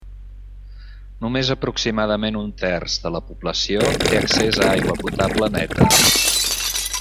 Només aproximadament un terç de la població té accés a aigua potable neta.